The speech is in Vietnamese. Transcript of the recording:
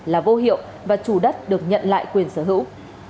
là vô hiệu và chủ đất được nhận lại quyền sở hữu